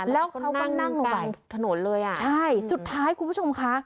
แล้วเขาก็นั่งลงไปถนนเลยอ่ะใช่สุดท้ายคุณผู้ชมคะ